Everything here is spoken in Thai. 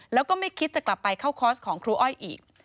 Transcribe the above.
แล้วก็ไม่คิดจะกลับไปเข้าคอร์สของครูอ้อยอีก